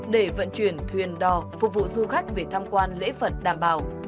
để vận chuyển thuyền đò phục vụ du khách về tham quan lễ phật đảm bảo